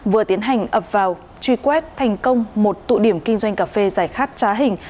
vừa tiến hành ập vào truy quét thành công một tụ điểm kinh doanh cà phê giải khát trá hình